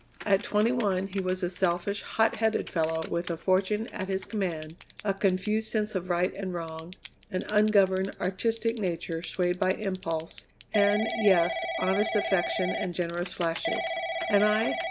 At twenty one he was a selfish, hot headed fellow with a fortune at his command, a confused sense of right and wrong, an ungoverned, artistic nature swayed by impulse, and, yes, honest affection and generous flashes. And I?